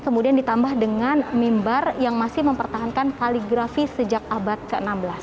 kemudian ditambah dengan mimbar yang masih mempertahankan kaligrafi sejak abad ke enam belas